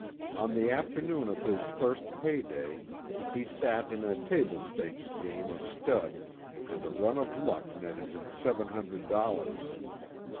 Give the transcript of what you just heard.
On the afternoon of his first payday, he sat in a "table stakes" game of stud and a run of luck netted him seven hundred dollars.